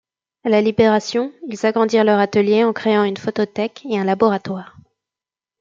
À la Libération, ils agrandissent leur atelier en créant une photothèque et un laboratoire.